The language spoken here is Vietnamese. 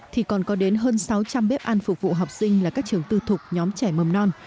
thì còn có đến hơn sáu trăm linh bếp ăn phục vụ học sinh là các trường tư thuộc nhóm trẻ mầm non